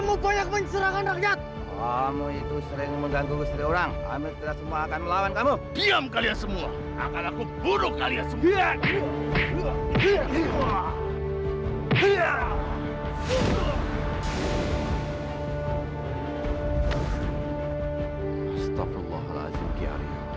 untuk menunjukkan tekadmu bersekutu dengan kami